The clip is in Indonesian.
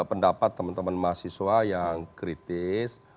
pendapat teman teman mahasiswa yang kritis